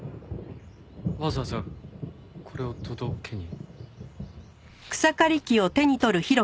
わざわざこれを届けに？